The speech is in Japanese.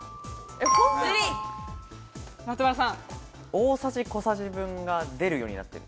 大さじ小さじ分が出るようになってる。